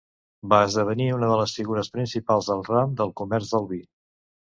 Va esdevenir una de les figures principals del ram del comerç del vi.